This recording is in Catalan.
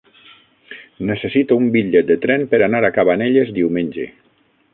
Necessito un bitllet de tren per anar a Cabanelles diumenge.